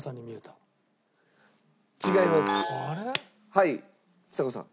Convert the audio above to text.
はいちさ子さん。